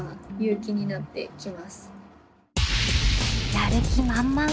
やる気満々。